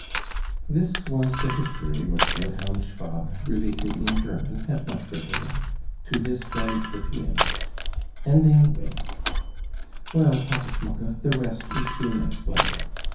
This was the history which Wilhelm Schwab related in German, at much greater length, to his friend the pianist, ending with; "Well, Papa Schmucke, the rest is soon explained.